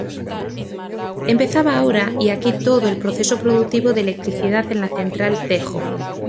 Empezaba ahora y aquí todo el proceso productivo de electricidad en la Central Tejo.